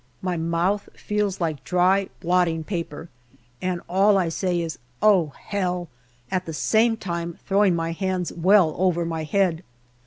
My mouth feels like dry blotting paper, and all I say is, " Oh, hell !" at the same time throwing my hands well over my head.